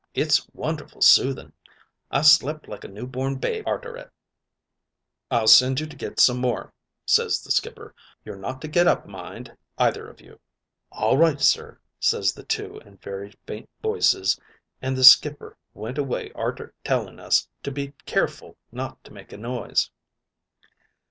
'It's wonderful soothing. I slep' like a new born babe arter it.' "'I'll send you to get some more,' ses the skipper. 'You're not to get up, mind, either of you.' "'All right, sir,' ses the two in very faint voices, an' the skipper went away arter telling us to be careful not to make a noise.